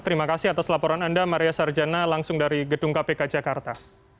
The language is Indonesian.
terima kasih atas laporan anda maria sarjana langsung dari gedung kpk jakarta